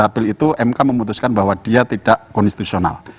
april itu mk memutuskan bahwa dia tidak konstitusional